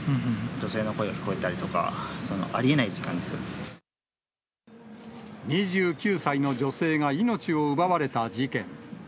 女性の声が聞こえたりとか、２９歳の女性が命を奪われた事件。